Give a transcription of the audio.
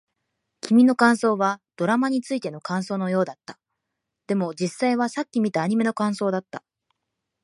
君の感想はドラマについての感想のようだった。でも、実際はさっき見たアニメの感想だった。